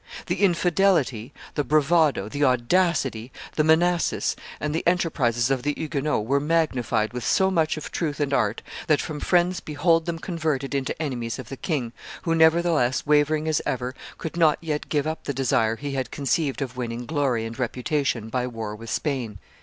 The infidelity, the bravado, the audacity, the menaces, and the enterprises of the Huguenots were magnified with so much of truth and art that from friends behold them converted into enemies of the king, who, nevertheless, wavering as ever, could not yet give up the desire he had conceived of winning glory and reputation by war with Spain."